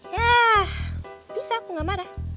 ya bisa aku gak marah